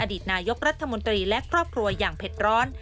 อดีตนายกรัฐมนตรีและครอบครัวอย่างเผ็ดร้อน